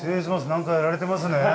何かやられてますね。